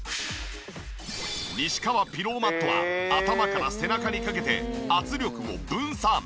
西川ピローマットは頭から背中にかけて圧力を分散。